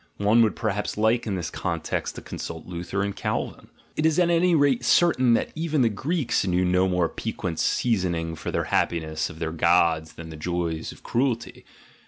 One would perhaps like in this context to consult Luther and Calvin. It is at any rate certain that even the Greeks knew no more piquant seasoning for the happiness of their gods than the joys of cruelty.